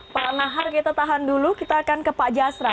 pak nahar kita tahan dulu kita akan ke pak jasra